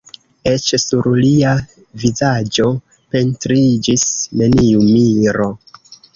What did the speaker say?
Eĉ sur lia vizaĝo pentriĝis neniu miro.